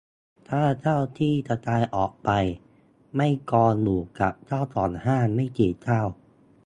ค่าเช่าที่กระจายออกไป-ไม่กองอยู่กับเจ้าของห้างไม่กี่เจ้า